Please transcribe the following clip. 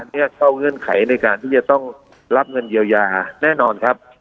เนี่ยเข้าเงื่อนไขในการที่จะต้องรับเงินเยียวยาแน่นอนครับ